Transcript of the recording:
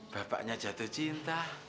bapaknya jatuh cinta